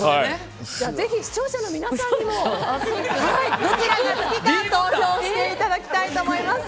ぜひ視聴者の皆さんにもどちらが好きか投票していただきたいと思います。